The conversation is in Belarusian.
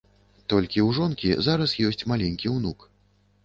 Толькі ў жонкі зараз ёсць маленькі ўнук.